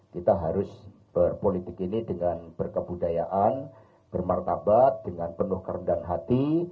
kita harus berpolitik ini dengan berkebudayaan bermartabat dengan penuh kerendahan hati